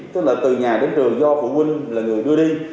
tức là từ nhà đến trường do phụ huynh là người đưa đi